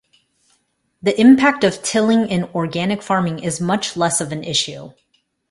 The impact of tilling in organic farming is much less of an issue.